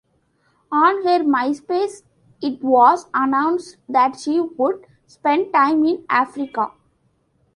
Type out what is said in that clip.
On her Myspace it was announced that she would spend time in Africa.